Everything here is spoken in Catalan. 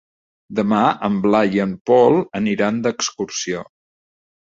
Demà en Blai i en Pol aniran d'excursió.